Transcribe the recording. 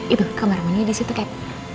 itu kamar mu disitu kek